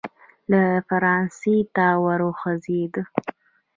لی فرانسې ته وخوځېد.